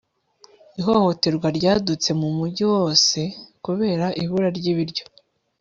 ihohoterwa ryadutse mu mujyi wose kubera ibura ry'ibiryo